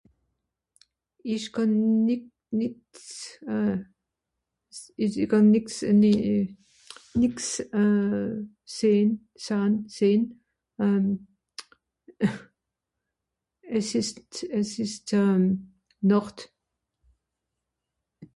ìsch kànn nì nìt euh s ìsch kànn nìx à ne euh nìx sehn sahn sehn euh es ist es ist nocht